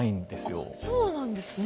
あっそうなんですね。